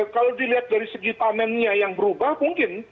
kalau dilihat dari segi tamennya yang berubah mungkin